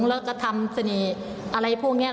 และทำซีนีอะไรพวกนี้